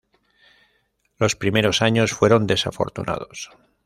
Los primeros años fueron desafortunados.